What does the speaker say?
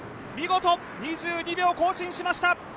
見事、２２秒更新しました。